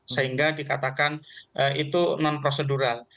sehingga dikatakan itu non prosedural